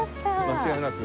間違いなく？